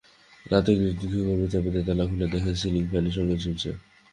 রাতে গৃহকর্মী চাবি দিয়ে তালা খুলে দেখেন সিলিং ফ্যানের সঙ্গে ঝুলছে।